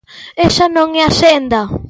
¡Esa non é a senda!